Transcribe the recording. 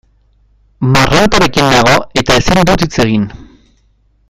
Marrantarekin nago eta ezin dut hitz egin.